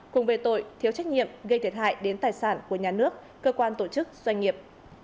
cùng về tội thiếu trách nhiệm gây thiệt hại đến tài sản của nhà nước cơ quan tổ chức doanh nghiệp